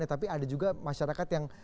tapi ada juga masyarakat yang